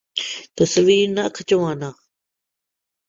تصویر نہ کھنچوان